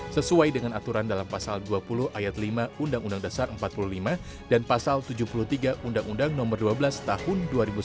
sesuai dengan aturan dalam pasal dua puluh ayat lima undang undang dasar empat puluh lima dan pasal tujuh puluh tiga undang undang nomor dua belas tahun dua ribu sembilan